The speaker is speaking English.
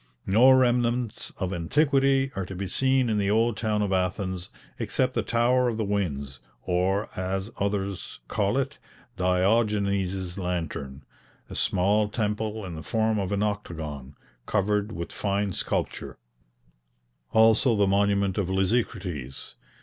No remnants of antiquity are to be seen in the old town of Athens except the Tower of the Winds, or, as others call it, Diogenes' Lantern, a small temple in the form of an octagon, covered with fine sculpture; also the monument of Lysicrates.